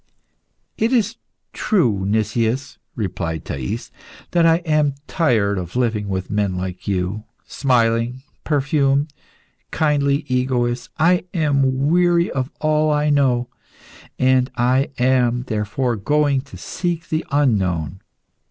"It is true, Nicias," replied Thais, "that I am tired of living with men like you, smiling, perfumed, kindly egoists. I am weary of all I know, and I am, therefore, going to seek the unknown.